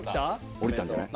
降りたんじゃない？